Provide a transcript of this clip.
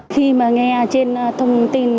khi mà nghe trên thông tin